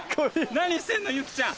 何してんのユキちゃん！